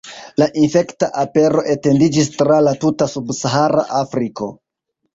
La infekta apero etendiĝis tra la tuta Subsahara Afriko.